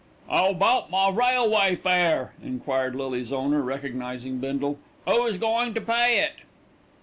"'Ow about my railway fare?"' enquired Lily's owner, recognising Bindle. "'Oo's goin' to pay it?"